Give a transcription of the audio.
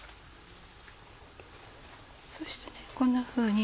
そしてこんなふうに。